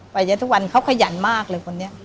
ให้เป็นทุกวันเขาขยันมากเลยวันนี้